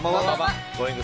Ｇｏｉｎｇ！